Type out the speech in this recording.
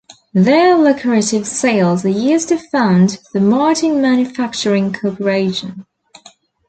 Their lucrative sales were used to found the Martin Manufacturing Corporation.